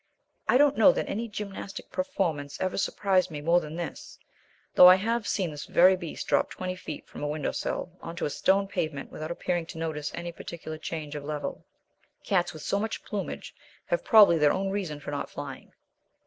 I don't know that any gymnastic performance ever surprised me more than this, though I have seen this very beast drop twenty feet from a window sill on to a stone pavement without appearing to notice any particular change of level. Cats with so much plumage have probably their own reasons for not flying.